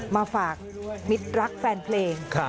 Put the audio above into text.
มาฝากมิตรรักแฟนเพลง